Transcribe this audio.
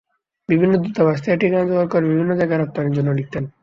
বিভিন্ন দূতাবাস থেকে ঠিকানা জোগাড় করে বিভিন্ন জায়গায় রপ্তানির জন্য লিখতেন।